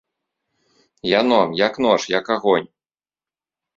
Яно, як нож, як агонь!